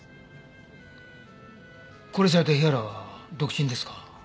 殺された日原は独身ですか？